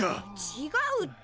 ちがうって。